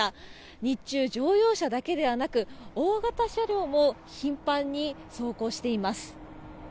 日中乗用車だけではなく大型車両も頻繁に走行しています。